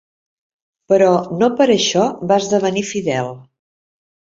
Però no per això va esdevenir fidel.